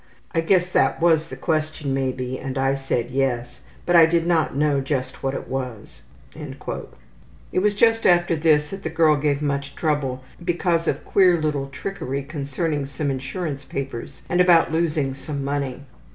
I guess that was the question maybe and I said, yes, but I did not know just what it was.'' It was after this that the girl gave much trouble because of queer little trickery concerning some insurance papers, and about losing some money.